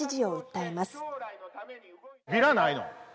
ビラないの？